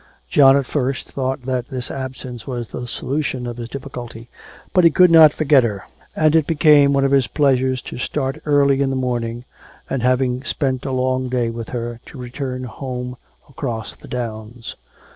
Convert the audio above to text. John at first thought that this absence was the solution of his difficulty; but he could not forget her, and it became one of his pleasures to start early in the morning, and having spent a long day with her, to return home across the downs.